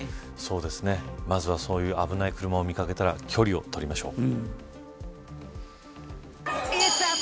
まずは、そういう危ない車を見掛けたら距離を取りましょう。